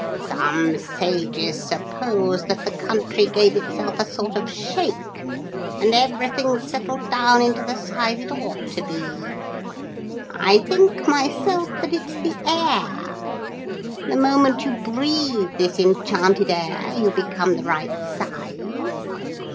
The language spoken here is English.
Some sages suppose that the country gave itself a sort of shake and everything settled down into the size it ought to be. I think myself that it's the air. The moment you breathe this enchanted air you become the right size.